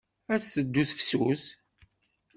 Ad teddu tefsut.